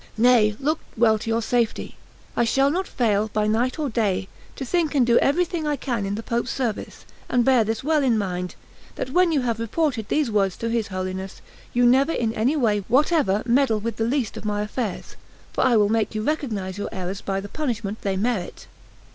nay, look well to your safety. I shall not fail, by night or day, to think and do everything I can in the Pope's service; and bear this well in mind, that when you have reported these words to his Holiness, you never in any way whatever meddle with the least of my affairs, for I will make you recognise your errors by the punishment they merit."